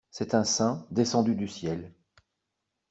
C'est un saint descendu du ciel.